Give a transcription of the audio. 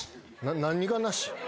何が「なし」？